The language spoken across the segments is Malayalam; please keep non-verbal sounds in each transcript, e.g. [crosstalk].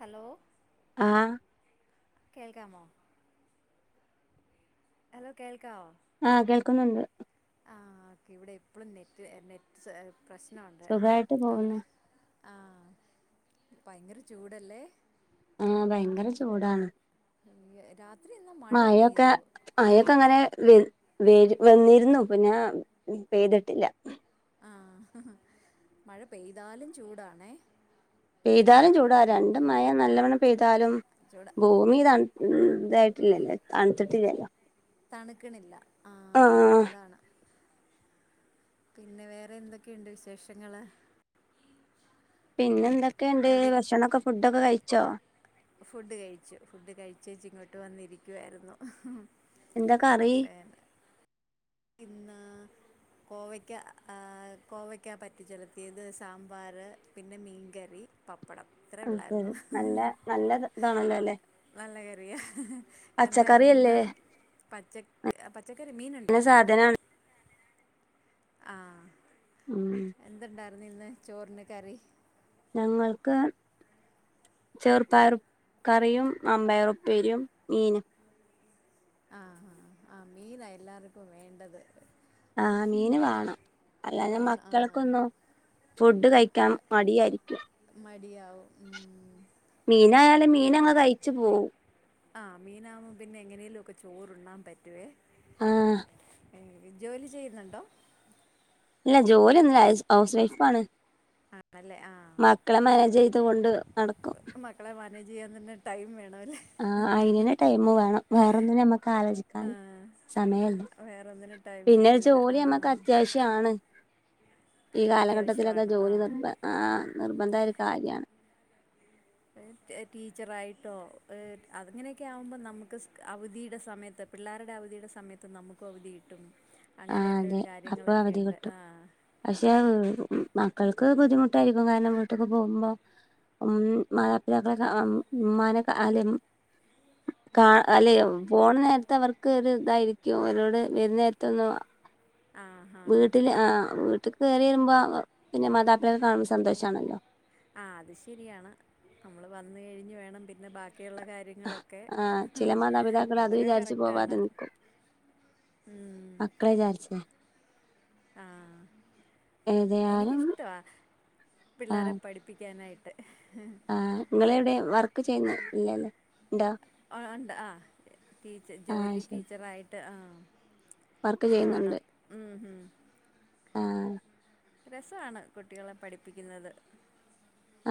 ഹലോ? ആഹ് കേൾക്കാമോ? ഹലോ കേൾക്കാവോ? ആഹ് കേൾക്കുന്നുണ്ട്. ആ ക്കെ ഇവിടെ എപ്പളും നെറ്റ് നെറ്റ്സ് പ്രശ്നുണ്ട് സുഖായിട്ട് അത്. പോകുന്നു ആഹ് ഭയങ്കര ചൂടല്ലേ? ആഹ് ഭയങ്കര ചൂടാണ് രാത്രി എന്നാ മഴ മഴൊക്കെ പെയ്തു മഴ ക്ക അങ്ങനെ വ വ വന്നിരുന്നു പിന്നാ പെയ്തിട്ടില്ല. ആഹ് മഴ പെയ്താലും ചൂടാണേ. പെയ്താലും ചൂടാ രണ്ടും അയ്യോ മഴ നല്ലവണ്ണം പെയ്താലും ചൂട ഭൂമി തൺ ഇതായി ഇല്ലല്ല തൺത്തിട്ടില്ലല്ലോ. തണ്ക്ക്ണില്ല ആഹ് അതാണ്. പിന്നെ വേറെ എന്തൊക്കെയുണ്ട് വിശേഷങ്ങള്? പിന്നെ എന്തൊക്കെയുണ്ട് എവിടെ ഭക്ഷണൊക്കെ ഫുഡൊക്കെ കഴിച്ചോ? ഫുഡ് കഴിച്ചു ഫുഡ് കഴിച്ചേച്ച് ഇങ്ങോട്ട് വന്നിരിക്കുവായിരുന്നു. എന്താ കറി? [unintelligible] ഇന്ന് കോവയ്ക്ക ഹേ കോവയ്ക്ക പറ്റി ചെലുത്തിയത് സാമ്പാർ പിന്നെ മീൻകറി. പപ്പടം ഇത്രയേ ആഹ് ഉള്ളായിരുന്നു ശരി നല്ല നല്ല ത ഇതാണല്ലോ ല്ലെ? നല്ല കറിയാ എന്തായിരുന്നു പച്ചക്കറിയല്ലേ ഇന്ന്? പച്ച പച്ചക്കറി മീൻ നല്ല ണ്ടായിരുന്നു. സാധനാണ് ആഹ് ഉം എന്തുണ്ടായിരുന്നു ഇന്ന് ചോറിന് കറി? ഞങ്ങൾക്ക് ചെറുപ്പയർക്കറിയും മമ്പയറുപ്പേരിയും മീൻ ആഹ് ആഹ് ആഹ് മീന എല്ലാർക്കും വേണ്ടത്. ആഹ് മീന് വാണം അല്ലാഞ്ഞാ വേണം ആ മക്കൾക്കൊന്നു. ഫുഡ് കഴിക്കാൻ മടിയായിരിക്കും. മടിയാവും ഉം മീനായാലും മീനങ്ങ് കയ്ച്ച് പോവും. ആഹ് മീനാകു പിന്നെ എങ്ങനെലും ഒക്കെ ചോറ്ണ്ണാൻ പറ്റുവേ. ആഹ് ജോലി ചെയ്യുന്നുണ്ടോ ഇല്ല ജോലി ഒന്നും ഹൗസ് വൈഫ് ആണ് ആണല്ലേ ആ മക്കളെ മാനേജ് ചെയ്ത് കൊണ്ട് നടക്കും മക്കളെ മാനേജ് ചെയ്യാൻ തന്നെ ടൈം വേണമല്ലേ ആഹ് അയിനന് ടൈം വേണം വേറെന്നും നമ്മക്ക് ആലോചിക്കാൻ ആ സമയല്ല വേറൊന്നിനും ടൈം പിന്നെ കിട്ടൂല്ല ജോലി ആ നമ്മക്ക് അത്യാവശ്യാണ് ഈ കാലഘട്ടത്തിലൊക്കെ അത്യാവശ്യമാണ് ആ ജോലി നിർബ ആഹ് നിർബന്ധായൊരു കാര്യാണ് ടീച്ചറായിട്ടോ അങ്ങനെയൊക്കെ ആകുമ്പോൾ നമുക്ക് അവധിയുടെ സമയത്ത് പിള്ളേരുടെ അവധിയുടെ സമയത്ത് നമുക്കും അവധി കിട്ടും ആഹ് അങ്ങനെയുള്ള അതെ ഒരു അപ്പൊ കാര്യങ്ങളൊക്കെ അവധി ഉണ്ട് കിട്ടും ആ പക്ഷെ മക്കൾക്ക് ബുദ്ധിമുട്ടായിരിക്കും കാരണം വീട്ടൊക്ക് പോകുമ്പോൾ ഉം മാതാപിതാക്കളെ ഉമാനെ അല്ല അല്ലെ പോണ നേരത്തെ അവർക്ക് ഒരു ഇതായിരിക്കും അവരോട് വരുന്ന നേരത്ത ഒന്ന ആ ഹാ വീട്ടില് ആ വീട്ടിൽ കയറി വരുമ്പോ പിന്നെ മാതാപിതാക്കൾ കാണുമ്പോൾ സന്തോഷമാണല്ലോ ആഹ് അത് ശരിയാണ് നമ്മൾ വന്ന് കഴിഞ്ഞ് വേണം പിന്നെ ബാക്കിയുള്ള കാര്യങ്ങ ങ്ങളൊക്കെ ആ ചില മാതാപിതാക്കൾ അത് അതൊക്കെ വിചാരിച്ചു കറക്റ്റാണ് പോവാതെ ഉം മക്കളേ ചാരിച്ച ആഹ് ഏതായാലും എനിക്കിഷ്ടവാ പിള്ളേരെ പഠി പഠപ്പിക്കാനായിട്ട് ആഹ് നിങ്ങളവിടെ വർക്ക് ചെയ്യുന്നത് ഇല്ലല്ലേ ഉണ്ടോ ഉണ്ട് ആഹ് ടീച്ചർ ആ ജോലി ശരി ടീച്ചറായിട്ട് ആഹ് വർക്ക് ഇഷ്ടവാണ് ഉം ഉം ആഹ് രസമാണ് കുട്ടികളെ പഠിപ്പിക്കുന്നത്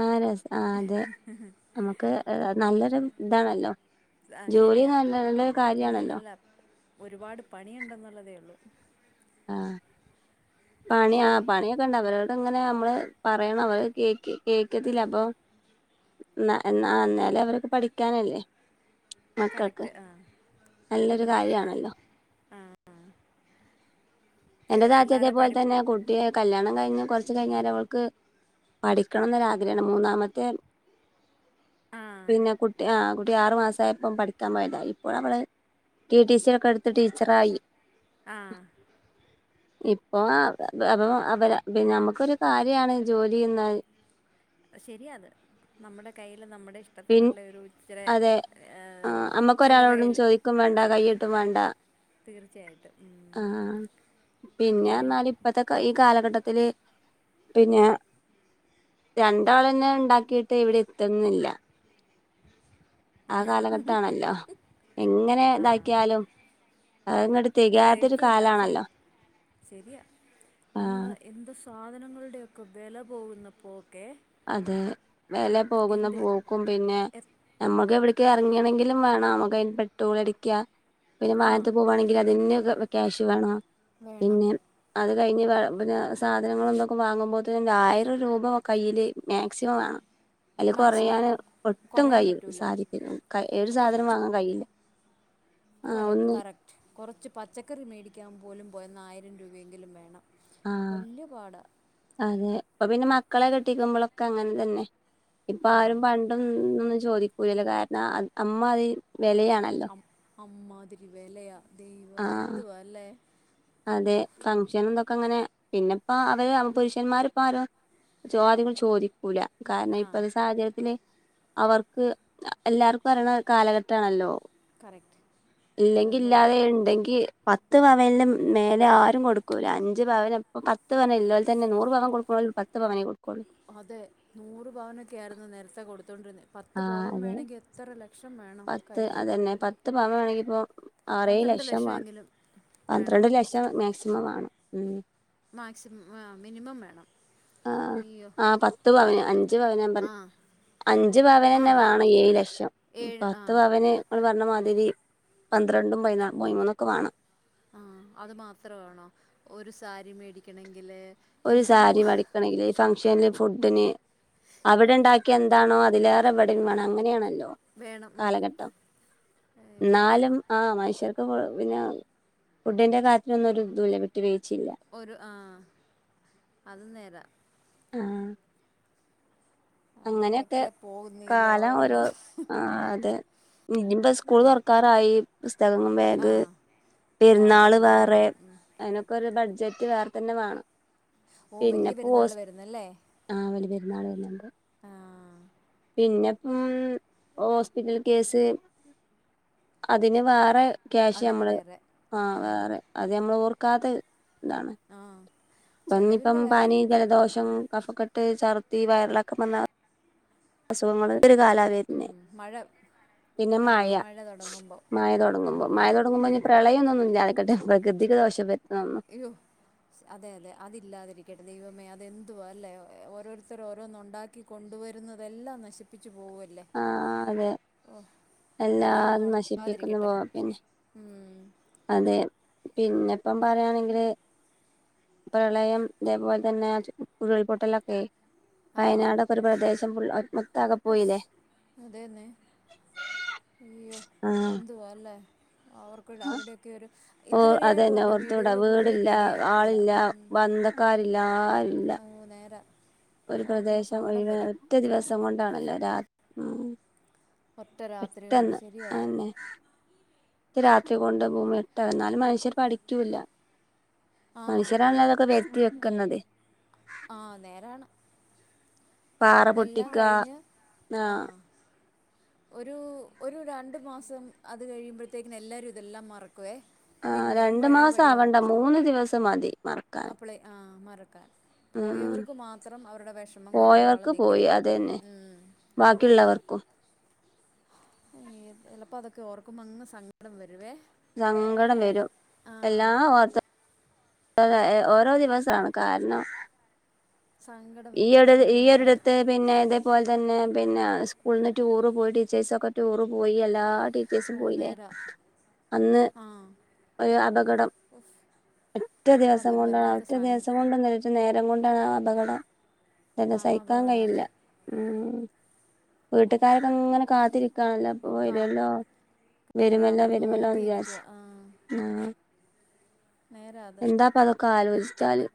ആഹ് രസ ആഹ് അതെ നമുക്ക് നല്ലൊരു ഇതാണല്ലോ ആ ജോലി ശരിയാ നല്ല നല്ലൊരു ജോലി കാര്യമാണല്ലോ നല്ല ഒരുപാട് പണിയുണ്ടെന്നുള്ളതേ ഉള്ളൂ ആഹ് [inaudible] പണി ആഹ് പണിയൊക്കെ ഉണ്ട് അവരോട് ഇങ്ങനെ നമ്മള് പറയണം അവർ കേക്ക കേക്കത്തില്ല അപ്പൊ എന്നന്നാലേ അവർക്ക് പഠിക്കാനല്ലേ മക്കൾക്ക് കറക്റ്റ് ആ നല്ലൊരു കാര്യമാണല്ലോ പി- എന്റെ താത്ത പിള്ളേരെ അതേപലെ പഠി തന്നെ കുട്ടിയ കല്യാണം കഴിഞ്ഞ് കുറച്ച് കഴിഞ്ഞര അവൾക്ക് പഠിക്കണംന്നരാഗ്രഹമാണ് മൂന്നാമത്തെ ആ പിന്നെ കുട്ട കു ആ കുട്ടി ആറു മാസയപ്പോം പഠിക്കാൻ പോയതാണ് ഇപ്പോൾ അവള് ടി ടി സി ഒക്കെ എടുത്ത് ടീച്ചറായി ആഹ് ഇപ്പൊ അപ്പ അവ നമ്മുക്കൊരു കാര്യാണ് ജോലി ശരിയ അത് നമ്മുടെ കയ്യിൽ നമ്മുടെ പിൻ ട്ടത്തിനുള്ള ഒരു ഇച്ചരെ അതെ ചില്ലറ കയ്യിൽ വക്കും വേണ്ട കയ്യ ഇട്ടും വേണ്ട തീർച്ചയായിട്ടും ഉം. ആഹ് അത് വേണം പിന്നെറഞ്ഞാൽ ഇപ്പത്തെ ഈ കാലഘട്ടത്തില് പിന്നെ രണ്ടോളന്നെ ഉണ്ടാക്കിയിട്ട് എവിടെ എത്തുന്നില്ല ആഹ് കാലഘട്ടാണല്ലോ എങ്ങനെ ഇതാക്കിയാലും അതങ്ങട്ട് തികയാത്തൊരു എത്തില്ല ശരി കാലാണല്ലോ ശരിയാ ആഹ് ഒന്ന് എന്ത് സാധനങ്ങളുടെയൊക്കെ വില പോകുന്നപ്പോക്കെ അതെ വില പോകുന്ന എന്ത് പോ പിന്നെ എ നമ്മുക്ക് എവിടക്കേ ഇറങ്ങിയണെങ്കിലും വേണം നമ്മുക്ക്തിന് പെട്രോൾ അടിക്കാ പിന്നെ ആഹ് മാനത്തി പോവാണെങ്കിൽ അതിന് ക്യാഷ് വേണോ വേണം പിന്നെ അത് കഴിഞ്ഞ് പിന്നെ സാധനങ്ങൾ എന്തൊക്കെ വാങ്ങുമ്പോത്തേന് ആയിരം രൂപ കയ്യില് മാക്സിമം വാണം. അയ്ല് മാക്സിമം കൊറയാന് ഒട്ടും കുറയാൻ കയ്യു പറ്റൂല്ല സാധിക്കില്ല. ഒരു സാധനം വാങ്ങാൻ കയ്യില്ല കറക് കറക്റ്റ് കൊറച്ച് പച്ചക്കറി മേടിക്കാൻ പോലും പോയന്ന ആയിരം രൂവയെങ്കിലും വേണം. ആഹ് വല്യ പാടാ അതെ ഇപ്പ പിന്നെ മക്കളെ കെട്ടിക്കുമ്പളൊക്കെ അങ്ങൻതന്നെ ആഹ് ഇപ്പാരും പണ്ടം ഒന്നും ചോദിക്കൂലല്ലോ കാരണം അയ് അമ്മാതിരി വെലയാണല്ല അമ്മാതിരി വെലയാ ദൈവമേ എന്തുവാല്ലേ [unintelligible] ഫങ്ഷനും തൊക്കെങ്ങനെ പിന്നെപ്പ അവര് പുരുഷന്മാര്പ്പൊ ആരും [unintelligible] ചോദി ക്കൂല കാരണം ആഹ് ഇപ്പത്തെ സാഹചര്യത്തില് അവർക്ക് എല്ലാർക്ക് അറിയണ കാലഘട്ടാണല്ലോ കറക്റ്റ് ഇല്ലെങ്കി അതൊന്നു ഇല്ലാതെ ഇണ്ടെങ്കി പത്ത് പവൻല് മേലെ ആരും കൊടുക്കൂല. അഞ്ച് പവന് പത്ത് പവൻ ഇല്ലോൽ തന്നെ നൂറ് പവൻ കൊട്ക്ക്ണോല് പത്ത് പവനേ കൊട്ക്കുള്ളൂ അതെ നൂറ് പവനൊക്കെ ആര്ന്നു നേരത്തെ കൊടുത്തോണ്ടിര്ന്നെ. പത്ത് ആഹ് പവൻ അതെ വേണങ്കി എ ത്ര ലക്ഷം വേണം പത്ത് കയ്ല് അതന്നെ പത്ത് പവൻ വേണെങ്കിപ്പൊ അറേഴ് പന്ത്രണ്ട് ലക്ഷം വാണം. ലക്ഷമെങ്കിലും വേണം പന്ത്രണ്ട് ലക്ഷം മാക്സിമം വാണം മാക്സിമം മിനിമം വേണം ആഹ് അയ്യോ ആഹ് പത്ത് പവന് അഞ്ച് പവന് ഞാ പ ആ അഞ്ച് ആ പവനന്നെ വേണം ഏഴ് ലക്ഷം ഏഴ് ആ പത്ത് പവന് ഇങ്ങ്ള് പർഞ്ഞ മാതിരി പന്ത്രെണ്ടും പയ്നാ പൈമൂന്നൊക്കെ വാണം ആഹ് അത് മാത്രവാണോ ഒരു സാരി മേടിക്കണെങ്കില് ഒരു സാരി വാടിക്കണെങ്കില് ഫങ്ഷൻല് ഫുഡിന് അവിടെ കറക്റ്റ് ഇണ്ടാക്കിയ എതാണോ അതിലേറെ ഇവടിം വേണം അങ്ങനെയാണല്ലോ വേണം ഉം. കാലഘട്ടം അയ്യോ ന്നാലും ആഹ് മനുഷ്യർക്ക് പിന്നെ ഫുഡിന്റെ കാര്യത്തിലൊന്നും ഒരു ഇതൂല്ല വിട്ട് വീഴ്ച്ചില്ല ഒരു ആഹ് അത് നേരാ ആഹ് അങ്ങനെയൊക്കെ പോകുന്നു ഈ കാലം ലോകങ്ങൾ ഒരോ ആഹ് അത് ഇനിമ്പ സ്കൂള് അയ്യോ തൊർക്കാറായി പുസ്തങ്ങളും ബേഗ് ആഹ് പെര്ന്നാള് ബാഗെല്ലാം വേറെ മേടി ഉം അയ്നൊക്കെ ഒരു ബഡ്ജറ്റ് വേറ തന്നെ വേണം ഓ വല്യ പെരുന്നാള് വരുന്നല്ലേ ആഹ് വല്യ പെര്ന്നാള് [unintelligible] ആഹ് പിന്നെപ്പം ഓസ്പിറ്റൽ കേസ് അതിന് വേറെ ക്യാഷ് അതിന് ഞമ്മള് വേറെ ആഹ് ഉം വേറെ അത് മ്മള് ഓർക്കാത്ത ഇതാണ്. ആഹ് പ്പ ന്നിപ്പം ചെലവിൻ്റെ പനി, കാര്യത്തില് ജലദോഷം, കഫക്കെട്ട്, ചർത്തി വയറിളക്കം വന്നാ അസുഖങ്ങള് ഒരു കാലാ ഉം വരുന്നേ മഴ പിന്നെ ആഹ് മയ മഴ തൊടങ്ങുമ്പോ മയ തൊടങ്ങുമ്പം ഉം മഴ തൊടങ്ങുമ്പൊ ഞ്ഞ്‌ പ്രളയൊന്നും ഇല്ലാതക്കട്ടെ പ്ര കൃതിക്ക് ദോഷം വര്ത്ത്ന്ന ഒന്നും അയ്യോ അതെ അതെ അതില്ലാതിരിക്കട്ടെ. ദൈവമേ അതെന്തുവാ ല്ലേ ഓരോരുത്തര് ഓരോന്ന് ഒണ്ടാ ക്കി കൊണ്ടുവരുന്നതെല്ലാം നശിപ്പിച്ചു പോവല്ലേ ആഹ് അതെ ഓഹ് പ്രളയൊന്നും എല്ലാതും നശിപ്പിക്കുന്ന ഒണ്ടാതിരിക്കട്ടെ പോ പിന്നെ ഉം അതെ പിന്നെപ്പം പറയാണെങ്കില് പ്രളയം തേ പോൽ തന്നെ ഉരുൾപൊട്ടലൊക്കെ ആഹ് വയനാടൊക്കെ ഒരു പ്രദേശം ഫുൾ മൊത്താകെ ഉഫ് പോയില്ലെ അതേന്നെ അയ്യോ ആ എന്തുവാല്ലേ അവർക്കൊരു ഡാ അവരുടെക്കെ ഒരു ഓ ഇതുവരെയായിട്ടു അതന്നെ അവരുടെ ഓർത്തൂടാ വീടുകള് പോലും റെഡി ആയിട്ടില്ല ഉം കാരില്ലാരില്ല ഓഹ് നേരാ ഓർക്കുമ്പോ സങ്കടം ഒഴിവ വരും ഒറ്റ ദിവസം കൊണ്ടാണല്ലോ രാത് ഉം ഒറ്റ രാത്രി കൊണ്ട് പെട്ടെന്ന് ശരിയാ അത് അതന്നെ ഒറ്റ രാത്രി കൊണ്ട് ഭൂമി ഇട്ട എന്നാലും മനുഷ്യർ പഠിക്കൂല്ല ആ മനുഷ്യരാണല്ലോ ഇതൊക്കെ വരുത്തി വെക്കുന്നതെ ആഹ് നേരാണ് പാറ ഇതെല്ലാം പൊട്ടിക്ക കഴിഞ്ഞ് ആഹ് ഒരു ഒരു രണ്ടു മാസം അത് കഴിയുമ്പോഴത്തേക്കിന് എല്ലാരും ഇതെല്ലാം മറക്കുവേ ആഹ് പിന്നെയും രണ്ട് പഴയ മാസം പടിയാവും ആവണ്ട മൂന്ന് ദിവസം മതി മറക്കാൻ ആഹ് മറക്കാൻ ഉം പോയവർക്ക് മാത്രം അവരുടെ വെഷമം കുറേ നാള് പോയവർക്ക് നിക്കും പോയി അതന്നെ ഉം ബാക്കിയുള്ളവർക്കും അയ്യോ ചെലപ്പ അതൊക്കെ ഓർക്കുമ്പോ അങ്ങ് സങ്കടം വരുവേ ഈ സങ്കടം ഒരു വരും ആ എല്ലാ വർ വെ ഏഹ് ഓരോ ദിവസാണ് കാരണം സങ്കടം വരും ഈയൊട് ഈയൊരിടത്ത് പിന്നെ ഇതേപോല് തന്നെ പിന്നെ ആഹ് സ്കൂൾന്ന് ടൂറ് പോയ ടീച്ചേഴ്സൊക്കെ ടൂറ് പോയി അല്ലാ ആഹ് ഓ ടീച്ചേഴ്സും പോയില്ലേ നേരാ അന്ന് ആ ഒരു അപകടം ഒറ്റ ദിവസം അതൊരു കൊണ്ടാണ് വല്ലാത്ത ഒറ്റ സങ് ദിവസം കൊണ്ടൊന്നും അല്ല ഒറ്റ നേരം കൊണ്ടാണ് ആഹ് അപകടം തന്നെ ന- സഹിക്കാൻ അപകടം കഴിയില്ല അതെ ഉം വീട്ടുകാരൊക്കെ അങ്ങനെ കാത്തിരിക്കുകാണല്ലോ പ്പ കാ വരുവല്ലോ വരുമല്ലോ അവർ വരുമല്ലോ വിചാരിച്ച് നോക്കിയിരിക്കുക ആ ആഹ് നേരാ അത് എന്താപ്പ അതൊക്ക ആലോചിച്ചാല്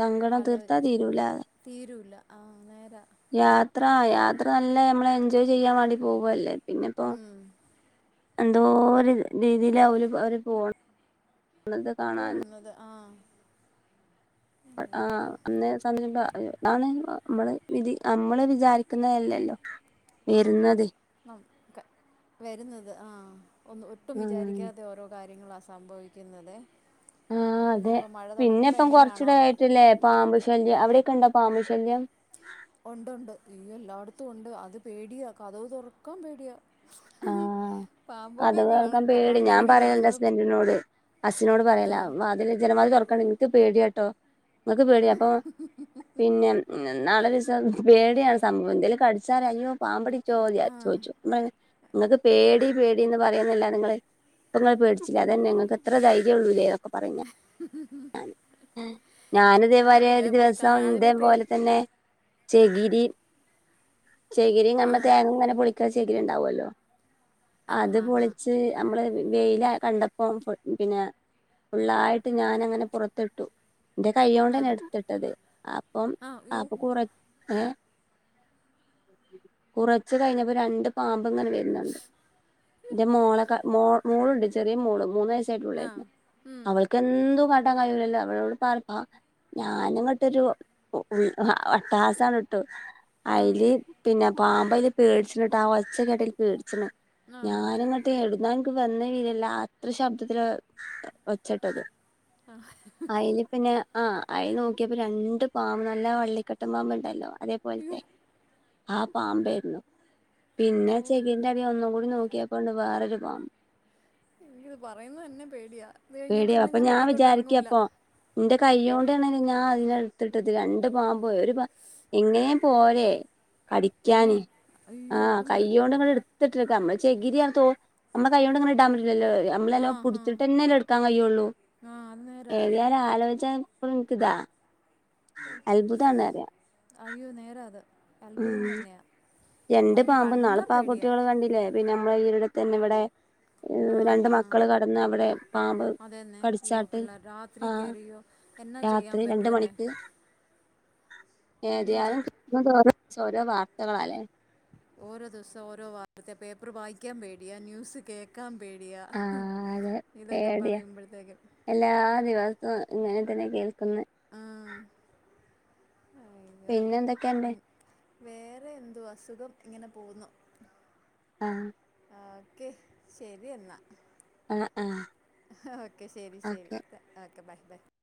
സംങ്കടം തീർത്ത തി തീരൂല്ല ആഹ് നേരാ യാത്ര യാത്ര നല്ല നമ്മള് എൻജോയ് ചെയ്യാൻ വേണ്ടി പോകുവല്ലേ പിന്നെപ്പോ ഉം. എന്തോ ഒരു രീതിയില അവര് അവര് പോണ ണത് പോകുന്നത് ആഹ് ആഹ് അന്നേ സംശമ്പ അയ്യോ അതാണ് അഹ് നമ്മള് വിധി നമ്മള് വിചാരിക്കുന്നതല്ലല്ലോ വരുന്നതെ ആഹ് ഓക്ക്‌ വരുന്നത് ആഹ് ഒന്നും ഒട്ടും ആഹ് വിചാരിക്കാതെ ഓരോ കാര്യങ്ങള സംഭവിക് യ്ക്കുന്നതേ ആഹ് അതെ പിന്നെ ഇപ്പം കൊറച്ചൂട എങ്ങനെയാണോ വ- ആയിട്ടല്ലേ പാമ്പ് ശല്യം അവിടെക്കെ ഉണ്ടോ പാമ്പ് ശല്യം ഒണ്ട്ണ്ട് ഈയ്യോ എല്ലാട്ത്തും ഉണ്ട് അത് പേടിയാ കതക് തുറക്കാൻ പേടിയാ ആഹ് പാമ്പൊക്കെ കതക് കാണ തുറക്കാൻ പേടി കാണുന്ന ഞാൻ എനിക്ക് പറയും എന്റെ കാണുന്നത് ഹസ്ബന്റിനോട് അശ്ശിനോട് ആ പറയല വാതില് അ ജനവാതില് തുറക്കണങ്ങ് ക്ക് പേടിയട്ടോ നിങ്ങക്ക് പേടിയ അപ്പൊ പിന്നെ ഉം ഇന്ന്ന്ന് ന്നാളൊരു ദിവസം പേടിയാണ് സംഭവം എന്തേലും കടിച്ചാല് അയ്യോ പാമ്പടിച്ചോ വിജാ ആ ചോയ്ച്ചു നമ്മള്ന്നെ ഇങ്ങക്ക് പേടി പേടിന്ന് പറയുന്നല്ലാതെ നിങ്ങള് പ്പങ്ങൾ പേടിച്ചില്ലേ അതന്നെ നിങ്ങക്ക് എത്ര ധൈര്യോള്ളൂല്ലേ ഞാനിതേ മാതിരി അത് ഒരു പേ- കാ- ദിവസം അതിനെ പേടി ഇതേപോലെ തന്നെ ചെകിരി ചെകിരി ആ നമ്മ തേങ്ങങ്ങനെ പൊളിക്ക്‌ന്ന ചകിരി ഇണ്ടാവല്ലോ ആ അത് ഹാ ഹാ പൊളിച്ച് നമ്മള് വെയില കണ്ടപ്പോം ഫു പിന്നെ ഫുള്ളായിട്ട് ഞാനങ്ങനെ പുറത്തിട്ടു ഇന്റെ ആ കയോണ്ടന്നെ എടുത്തിട്ടത് അപ്പം ആ യു ആപ്പ കുറ ഏഹ് കുറച്ച് കഴിഞ്ഞപ്പോ രണ്ട് പാമ്പ് ഇങ്ങനെ ണ്ട് ഉണ്ട് ഇന്റെ മോള മോളുണ്ട് ചെറിയ മോള് മൂന്ന വയസ്സ് ആ ഉള്ളായ്യിന്ന് ഉം, അവൾക്ക് എന്തും പട്ടാൻ കഴലല്ലോ അവളോട് പറ ഞാനി ഇങ്ങോട്ട് ഒരു വട്ടാസ അങ്ങിട്ടു ഇട്ടു ആ അതില് പിന്നെ പാമ്പ അല് പേടിച്ചണ്ട്ട് ആ ഒച്ചക്കട്ടൽ പേടിച്ചിണ് ആ ഞാന ഇങ്ങ എടുന്ന എനിക്ക് വന്ന വീലല്ല അത്ര ശബ്ദത്തില് ഒച്ചട്ടത്. അയില് പിന്നെ. ആഹ് അയിൽ നോക്കിയപ്പോ രണ്ട് പാമ്പ് നല്ല വള്ളിക്കെട്ടും പാമ്പ് ഉണ്ടല്ലോ അതേ യു പോലത്തെ. ആ പാമ്പായിരുന്നു. ഓ പിന്നെ ചെകീന്റ് അടി ഒന്നും കൂടി നോക്കിയപ്പോണ്ട് വേറൊരു പാമ്പ്. എനിക്കിത് പറയുന്ന തന്നെ പേടിയാ. ഇത് കഴിഞ്ഞാൽ പിന്നെ ഞാൻ മുറ്റത്തോട്ട് ഇറങ്ങൂല്ല. ഇന്റെ കൈയ്യ് കൊണ്ടാണെങ്കിൽ ഞാൻ അതിന എടുത്തിട്ടത് രണ്ട് പാമ്പ ഒരു പ ഇങ്ങനെയ പോരെ പിന്നെ കടിക്കാന് അയ്യോ ആഹ് അതും പേ- കയ്യോണ്ട് എ ഇട്ടതക്ക് നമ്മ ചകിരിയാ തോ നമ്മ കൈ കൊണ്ട് ഇങ്ങന ഇടാൻ കയ്യില്ലല്ലോ ആ നമ്മെളെ ഹാ പുടിച്ചിട്ട തന്നെല്ല എ ക്കാൻ കഴിയുള്ളൂ. ആ അത് നേരാ ഏതയാലും ആലോചിച്ചിക്ക ഇപ്പളും ഇന്ക് ഇതാ. അത്ഭുതന്നറിയ അയ്യോ നേരാ അത് അത്ഭുതം ഉം തന്നെയാ. രണ്ട് അതിനെ പാമ്പ് കണ്ടാ നാള്പാ പേടിയാ കുട്ടികള് കണ്ടില്ലേ പിന്നെ നമ്മള ഈരിടത്ത് തന്നെ ഇവിടെ. ആ രണ്ട് ഹാ മക്കള് കടന്ന് അവിടെ പാമ്പ് അതന്നെ അയ്യോ കടിച്ചാട്ട് പിള്ളേർ രാത്രി ആഹ് കയറിയോ എന്നാ ചെയ്യാൻ രാത്രി രണ്ട് പറ്റുമല്ലേ മണിക്ക്. എന്നാ ഏതിയാലും ചെയ് ഓരോ ഓരോ വാർത്തകളല്ലേ? ഓരോ ദിവസം ഓരോ വാർത്ത പേപ്പർ വായിക്കാൻ പേടിയാ ന്യൂസ് കേ കേക്കാൻ പേടിയാ ഇതൊക്കെ പേടിയ പറയുമ്പോഴത്തേക്കും എല്ലാ ദിവസവും ഇങ്ങനെ തന്നെ കേൾക്കുന്ന. ആഹ് പിന്നെ എന്തൊക്കെയുണ്ട് വേറെ എന്തോ അസുഖം ഇങ്ങനെ പോകുന്നു. ആഹ് ഓക്കെ ശരി എന്നാ. ആഹ് ആഹ് ഓക്കെ ശരി ശരി ഓക്കെ ഓക്കെ ബൈ ബൈ.